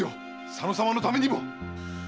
佐野様のためにも！